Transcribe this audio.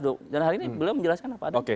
dan hari ini beliau menjelaskan apa ada